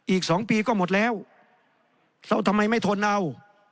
อีก๒ปีก็หมดแล้วทำไมไม่ทนเอา